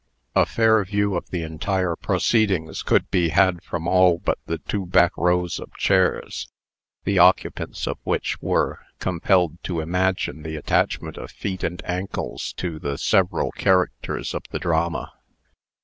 A fair view of the entire proceedings could be had from all but the two back rows of chairs, the occupants of which were compelled to imagine the attachment of feet and ankles to the several characters of the drama.